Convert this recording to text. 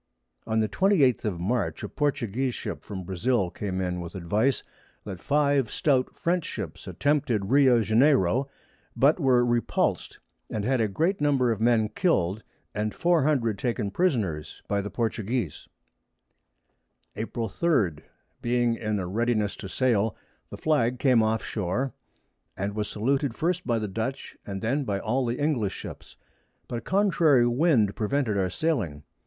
On the 28_th_ of March a Portuguese Ship from Brasile came in with advice, that 5 Stout French Ships attempted Rio Janiero, but were repuls'd, and had a great Number of Men kill'd, and 400 taken Prisoners by the Portuguese. April 3. Being in a readiness to sail, the Flag came off Shore, was saluted first by the Dutch, and then by all the English Ships; but a contrary Wind prevented our sailing.